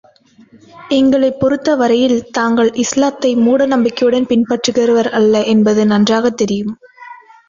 எங்களைப் பொறுத்தவரையில் தாங்கள் இஸ்லாத்தை மூடநம்பிக்கையுடன் பின்பற்றுகிறவர் அல்ல என்பது நன்றாகத் தெரியும்.